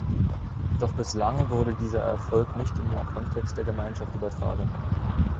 Doch bislang wurde dieser Erfolg nicht in den Kontext der Gemeinschaft übertragen.